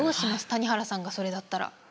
谷原さんがそれだったら。